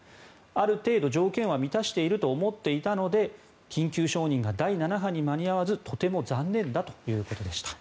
ある程度、条件は満たしていると思っていたので緊急承認が第７波に間に合わずとても残念だということでした。